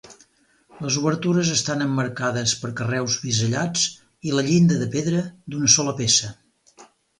Les obertures estan emmarcades per carreus bisellats i la llinda de pedra d'una sola peça.